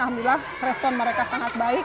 alhamdulillah respon mereka sangat baik